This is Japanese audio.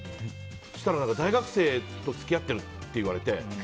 そしたら、大学生と付き合ってるって言われて。